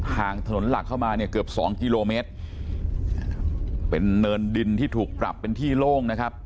งถนนหลักเข้ามาเนี่ยเกือบสองกิโลเมตรเป็นเนินดินที่ถูกปรับเป็นที่โล่งนะครับ